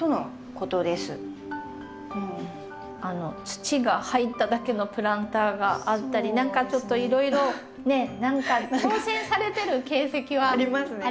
土が入っただけのプランターがあったり何かちょっといろいろねっ何か挑戦されてる形跡は。ありますね。